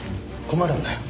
困るんだよ。